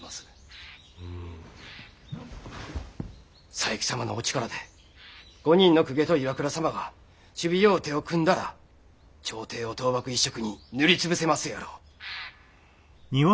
佐伯様のお力で５人の公家と岩倉様が首尾よう手を組んだら朝廷を倒幕一色に塗り潰せますやろ。